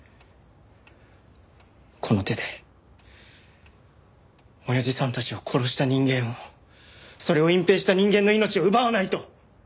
この手でおやじさんたちを殺した人間をそれを隠蔽した人間の命を奪わないと！